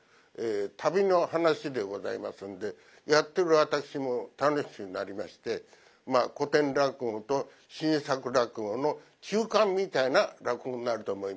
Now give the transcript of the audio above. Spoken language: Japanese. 旅の話でございますんでやってる私も楽しくなりましてまあ古典落語と新作落語の中間みたいな落語になると思います。